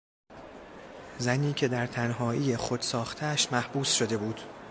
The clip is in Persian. زنی که در تنهایی خود ساختهاش محبوس شده بود